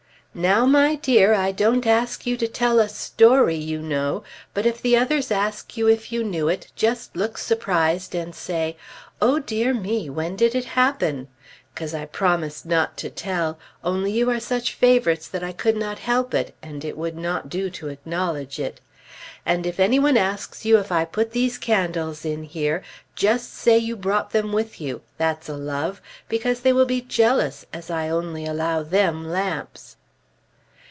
"Now, my dear, I don't ask you to tell a story, you know; but if the others ask you if you knew it, just look surprised and say, 'Oh, dear me, when did it happen?' 'Cause I promised not to tell; only you are such favorites that I could not help it, and it would not do to acknowledge it. And if any one asks you if I put these candles in here, just say you brought them with you, that's a love, because they will be jealous, as I only allow them lamps."